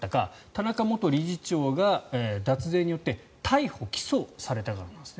田中元理事長が脱税によって逮捕・起訴されたからです。